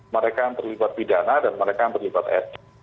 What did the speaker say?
mereka yang terlibat pidana dan mereka yang terlibat etik